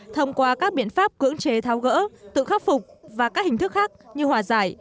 thông qua các biện pháp cưỡng chế tháo gỡ tự khắc phục và các hình thức khác như hòa giải